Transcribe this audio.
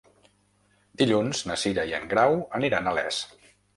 Dilluns na Cira i en Grau aniran a Les.